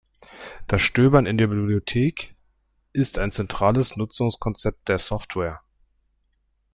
Das Stöbern in der Bibliothek ist ein zentrales Nutzungskonzept der Software.